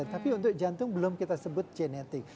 tapi untuk jantung belum kita sebut genetik